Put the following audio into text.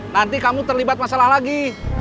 nanti kamu terlibat masalah lagi